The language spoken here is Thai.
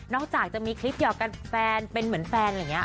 จากจะมีคลิปหยอกกันแฟนเป็นเหมือนแฟนอะไรอย่างนี้